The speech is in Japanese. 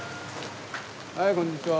はいこんにちは。